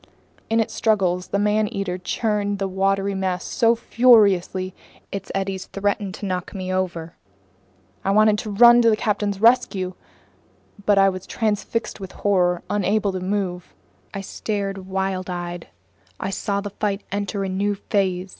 In its struggles the man eater churned the watery mass so furiously, its eddies threatened to knock me over. I wanted to run to the captain's rescue. But I was transfixed with horror, unable to move. I stared, wild eyed. I saw the fight enter a new phase.